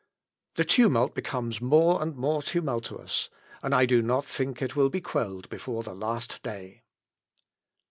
The tumult becomes more and more tumultuous! and I do not think it will be quelled before the last day."